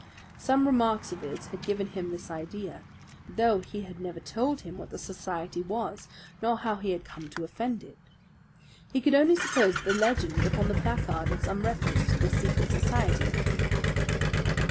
Some remarks of his had given him this idea; though he had never told him what the society was, nor how he had come to offend it. He could only suppose that the legend upon the placard had some reference to this secret society.